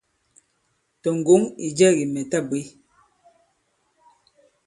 Tɔ̀ ŋgǒŋ ì jɛ kì mɛ̀ ta bwě.».